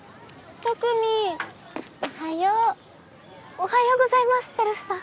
おはようございますせるふさん。